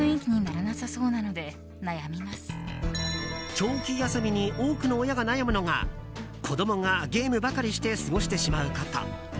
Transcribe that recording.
長期休みに多くの親が悩むのが子供がゲームばかりして過ごしてしまうこと。